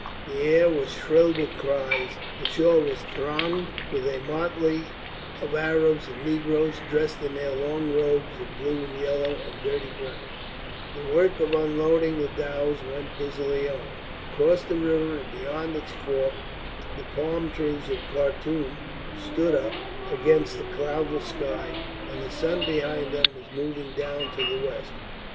The air was shrill with cries, the shore was thronged with a motley of Arabs and negroes, dressed in their long robes of blue and yellow and dirty brown; the work of unloading the dhows went busily on; across the river and beyond its fork the palm trees of Khartum stood up against the cloudless sky; and the sun behind them was moving down to the west.